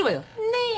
ねえ。